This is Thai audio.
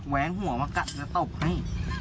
แว้งหัวมากัดแล้วตบให้